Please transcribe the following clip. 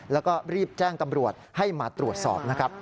แล้วก็รีบแจ้งตำรวจให้มาตรวจสอบนะครับ